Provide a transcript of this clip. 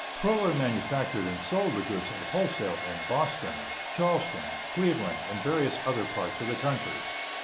Proler manufactured and sold the goods at wholesale in Boston, Charleston, Cleveland, and various other parts of the country.